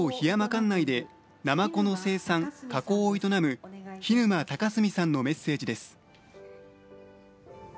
管内でナマコの生産・加工を営む日沼賢澄さんのメッセージです。